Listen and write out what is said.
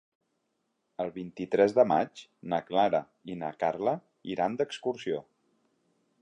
El vint-i-tres de maig na Clara i na Carla iran d'excursió.